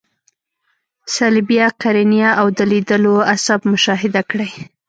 صلبیه، قرنیه او د لیدلو عصب مشاهده کړئ.